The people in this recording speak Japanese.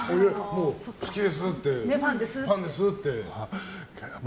好きですって、ファンですって。